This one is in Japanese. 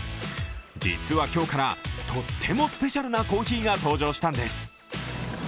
実は今日からとってもスペシャルなコーヒーが登場したんです。